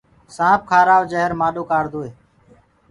سآنٚپ کآرآئو جهر مآڏو ڪآڙدوئي